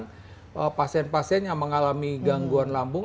oke ada yang juga kita bilang pasien pasien yang mengalami gangguan lambung